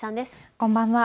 こんばんは。